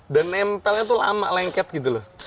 dan nempelnya tuh lama lengket gitu loh